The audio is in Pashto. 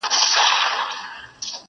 • چي سمسور افغانستان لیدلای نه سي,